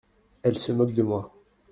Elle se moque de moi.